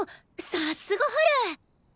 さっすがハル！